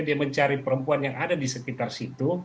dia mencari perempuan yang ada di sekitar situ